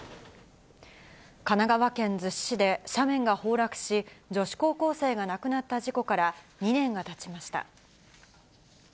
神奈川県逗子市で、斜面が崩落し、女子高校生が亡くなった事故から２年がたちました。